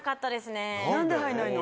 何で入んないの？